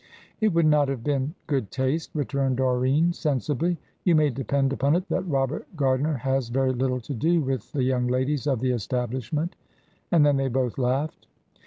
"It would not have been good taste," returned Doreen, sensibly. "You may depend upon it that Robert Gardiner has very little to do with the young ladies of the establishment." And then they both laughed.